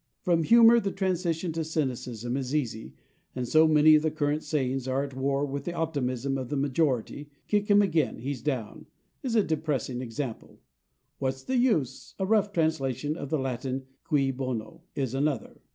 From humor the transition to cynicism is easy, and so many of the current sayings are at war with the optimism of the majority. "Kick him again; he's down" is a depressing example. "What's the use?" a rough translation of the Latin "Cui bono?" is another.